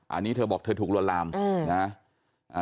อันนี้เธอบอกเธอถูกลวนลามนะ